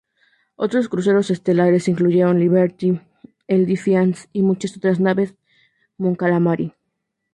Otros cruceros estelares incluyeron al "Liberty", el "Defiance" y muchas otras naves Mon Calamari.